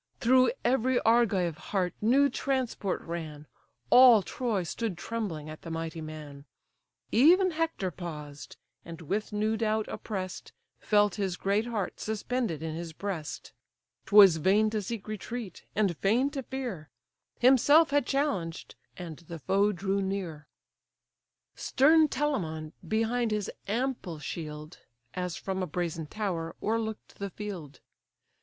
Through every Argive heart new transport ran; All Troy stood trembling at the mighty man: Even Hector paused; and with new doubt oppress'd, Felt his great heart suspended in his breast: 'Twas vain to seek retreat, and vain to fear; Himself had challenged, and the foe drew near. Stern Telamon behind his ample shield, As from a brazen tower, o'erlook'd the field.